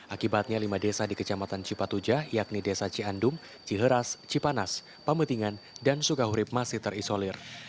akibatnya lima desa di kecamatan cipat ujah yakni desa ciandum ciheras cipanas pemetingan dan sukahurib masih terisolir